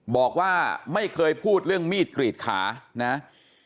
บอกว่าไม่เคยพูดเรื่องมีดกรีดขานะ